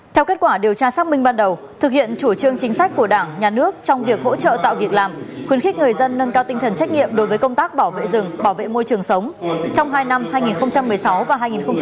theo kết quả điều tra xác minh ban đầu thực hiện chủ trương chính sách của đảng nhà nước trong việc hỗ trợ tạo việc làm khuyến khích người dân nâng cao tinh thần trách nhiệm đối với công tác bảo vệ rừng bảo vệ môi trường sống trong hai năm hai nghìn một mươi sáu và hai nghìn một mươi tám